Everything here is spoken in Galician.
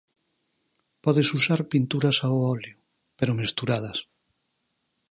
Podes usar pinturas ao óleo, pero mesturadas.